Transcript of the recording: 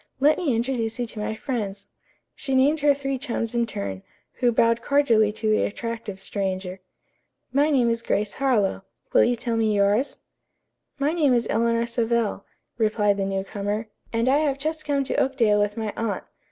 Let me introduce you to my friends." She named her three chums in turn, who bowed cordially to the attractive stranger. "My name is Grace Harlowe. Will you tell me yours?" "My name is Eleanor Savell," replied the new comer, "and I have just come to Oakdale with my aunt.